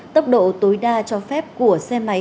tốc độ tối đa cho phép của xe máy